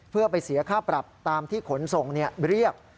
เพื่อไปเสียค่าปรับตามที่ขนส่งเรียก